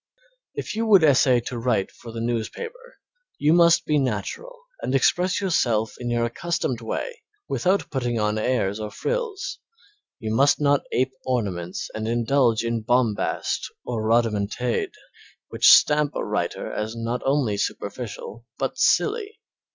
If you would essay to write for the newspaper you must be natural and express yourself in your accustomed way without putting on airs or frills; you must not ape ornaments and indulge in bombast or rhodomontade which stamp a writer as not only superficial but silly.